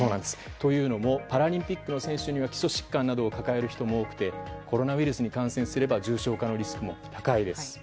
というのもパラリンピックの選手には基礎疾患などを抱える人も多くてコロナウイルスに感染すれば重症化のリスクも高いです。